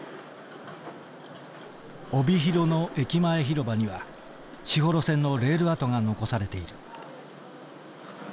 帯広の駅前広場には士幌線のレール跡が残されている。